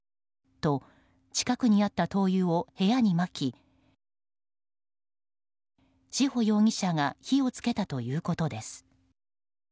と、近くにあった灯油を部屋にまき志保容疑者が火を付けたということです。